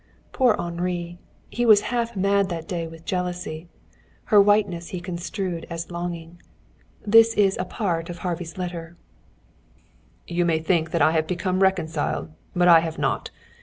Poor Henri! He was half mad that day with jealousy. Her whiteness he construed as longing. This is a part of Harvey's letter: You may think that I have become reconciled, but I have not.